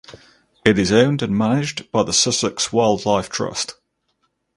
It is owned and managed by the Sussex Wildlife Trust.